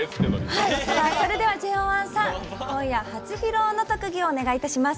それではＪＯ１今夜初披露の特技をお願いします。